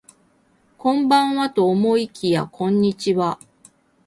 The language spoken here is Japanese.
こんばんはと思いきやこんにちは